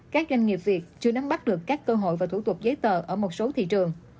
các doanh nghiệp việt chưa nắm bắt được các cơ hội và thủ tục giấy tờ ở một số thị trường